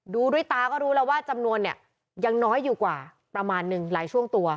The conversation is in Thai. ดูด้วยตาก็รู้แล้วว่าจำนวนเนี่ยยังน้อยอยู่กว่าประมาณหนึ่งหลายช่วงตัว